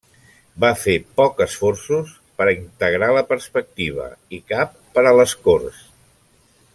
Va fer pocs esforços per integrar la perspectiva i cap per a l'escorç.